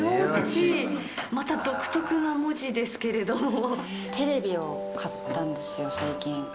また独特な文字ですテレビを買ったんですよ、最近。